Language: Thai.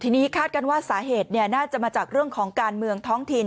ที่นี่คาดกันว่าสาเหตุน่าจะมาจากการเมืองท้องถิ่น